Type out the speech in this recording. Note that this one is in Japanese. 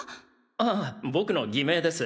ああ僕の偽名です。